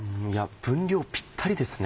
分量ぴったりですね。